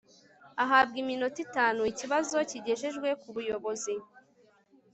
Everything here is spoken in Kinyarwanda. ahabwa iminota itanu ikibazo kigejejwe kubuyobozi